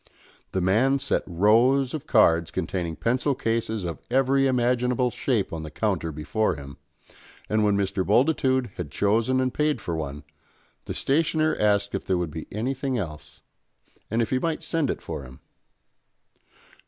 The man set rows of cards containing pencil cases of every imaginable shape on the counter before him, and when Mr. Bultitude had chosen and paid for one, the stationer asked if there would be anything else, and if he might send it for him.